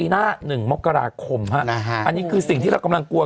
น้องคุณแม่คือเป็นพิจารณาเร่งด่วน